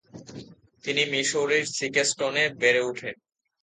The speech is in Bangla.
তিনি মিসৌরির সিকেস্টনে বেড়ে ওঠেন।